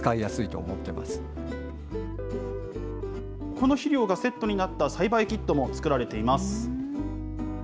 この肥料がセットになった栽培キットも作られています。